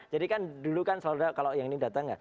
jadi kan dulu kan selalu kalau yang ini datang ya